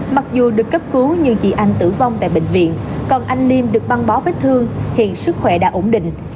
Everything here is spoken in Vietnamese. mặc dù được cấp cứu nhưng chị anh tử vong tại bệnh viện còn anh liêm được băng bó vết thương hiện sức khỏe đã ổn định